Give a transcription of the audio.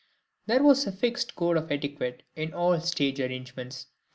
There was a fixed code of etiquette in all stage arrangements.